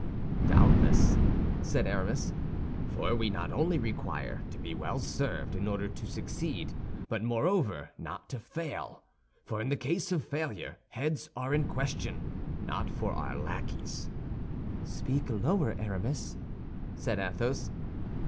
"Doubtless," said Aramis, "for we not only require to be well served in order to succeed, but moreover, not to fail; for in case of failure, heads are in question, not for our lackeys—" "Speak lower, Aramis," said Athos.